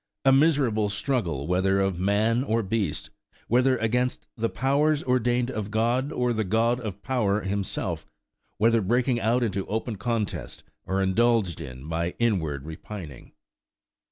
A miserable struggle, whether of man or beast; whether against the powers ordained of God, or the God of power Himself; whether breaking out into open contest, or indulged in by inward repining.